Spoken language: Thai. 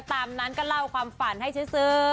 ๓๐๓๑ตามนั้นก็เล่าความฝันให้เชื้อซื้อ